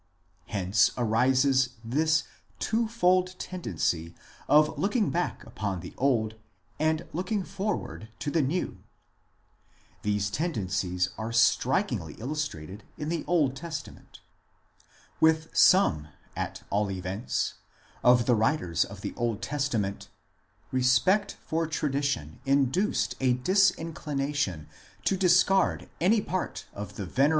Hence arises this two fold tendency of looking back upon the old and looking forward to the new. These tendencies are strikingly illustrated in the Old Testament. With some, at all events, of the writers of the Old Testament respect for tradition induced a disinclination to discard any part of the venerable 1 Acts xvii. 23.